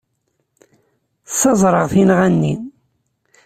Ssaẓreɣ tinɣa-nni.